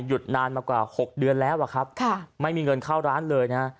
นานมากว่า๖เดือนแล้วอะครับไม่มีเงินเข้าร้านเลยนะ